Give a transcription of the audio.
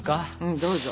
どうぞ。